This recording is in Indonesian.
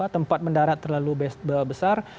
tempat mendarat terlalu besar